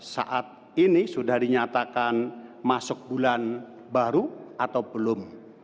saat ini sudah dinyatakan masuk bulan baru atau belum